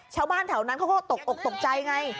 ชาวบ้านแถวนั้นเขาก็ตกอกตกใจไง